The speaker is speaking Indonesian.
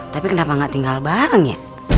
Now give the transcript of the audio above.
tapi kenapa nggak tinggal bareng ya